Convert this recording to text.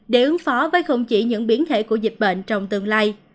để ứng phó với không chỉ những biến thể của dịch bệnh trong tương lai